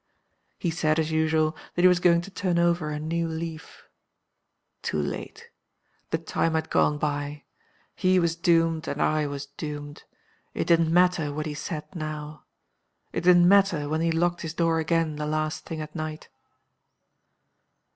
"He said, as usual, that he was going to turn over a new leaf. Too late! The time had gone by. He was doomed, and I was doomed. It didn't matter what he said now. It didn't matter when he locked his door again the last thing at night.